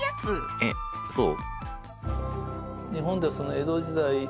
えっそう？